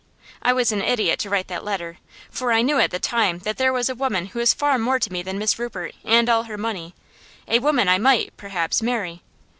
I was an idiot to write that letter, for I knew at the time that there was a woman who is far more to me than Miss Rupert and all her money a woman I might, perhaps, marry.